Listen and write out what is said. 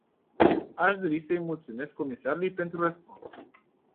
Aș dori să îi mulțumesc comisarului pentru răspuns.